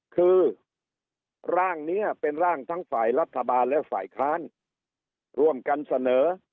คือร่างนี้เป็นร่างทั้งฝ่ายรัฐบาลและฝ่ายค้านร่วมกันเสนอ